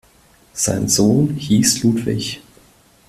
Sein Sohn hieß Ludwig.